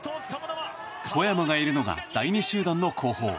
小山がいるのが第２集団の後方。